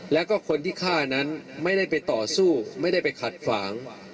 แล้วก็คนที่ฆ่านั้นไม่ได้ไปต่อสู้ไม่ได้ไปขัดขวาง